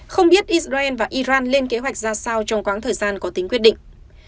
không biết israel và iran lên kế hoạch ra sao trong quãng thời gian có tính quyết định